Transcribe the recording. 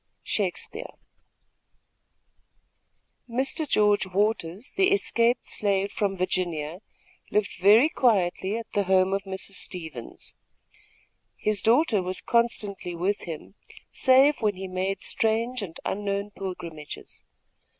Shakespeare. Mr. George Waters, the escaped slave from Virginia, lived very quietly at the home of Mrs. Stevens. His daughter was constantly with him, save when he made strange and unknown pilgrimages.